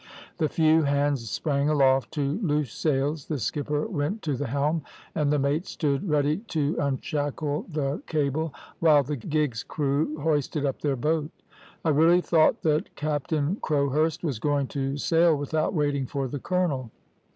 "The few hands sprang aloft to loose sails, the skipper went to the helm, and the mates stood ready to unshackle the cable, while the gig's crew hoisted up their boat. I really thought that Captain Crowhurst was going to sail without waiting for the colonel.